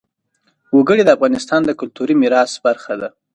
وګړي د افغانستان د کلتوري میراث برخه ده.